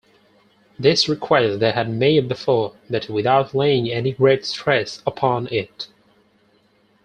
This request they had made before, but without laying any great stress upon it.